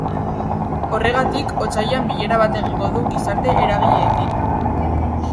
Horregatik, otsailean bilera bat egingo du gizarte eragileekin.